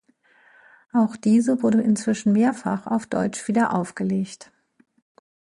Auch diese wurde inzwischen mehrfach auf deutsch wiederaufgelegt.